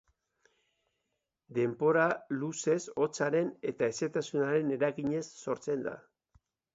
Denbora luzez hotzaren eta hezetasunaren eraginez sortzen da.